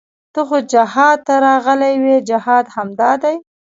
ته خو جهاد ته راغلى وې جهاد همدا دى.